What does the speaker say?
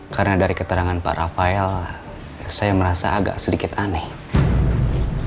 karena dari keterangan pak rafael saya merasa agak sedikit aneh